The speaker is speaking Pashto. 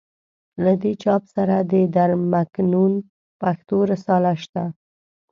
له دې چاپ سره د در مکنون پښتو رساله شته.